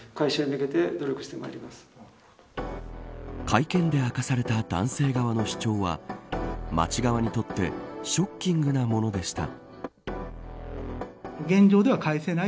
会見で明かされた男性側の主張は町側にとってショッキングなものでした。